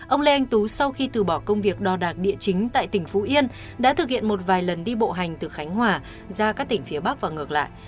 ông lê anh tú sau khi từ bỏ công việc đo đạc địa chính tại tỉnh phú yên đã thực hiện một vài lần đi bộ hành từ khánh hòa ra các tỉnh phía bắc và ngược lại